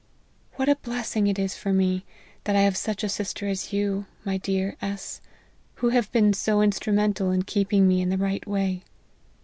" What a blessing it is for me, that I have such a sister as you, my dear S , who have been so instrumental in keeping me in the right way.